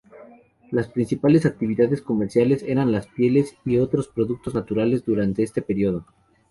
Las principales actividades comerciales eran las pieles y otros productos naturales durante este período.